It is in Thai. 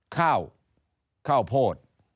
ข้าวข้าวโพด